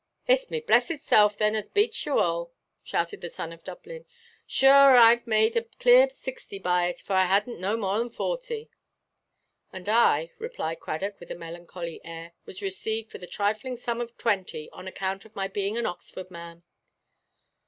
"Itʼs me blessed self, then, as bates you all," shouted the son of Dublin; "shure and Iʼve made a clear sixty by it, for I hadnʼt no more than forty." "And I," replied Cradock, with a melancholy air, "was received for the trifling sum of twenty, on account of my being an Oxford man."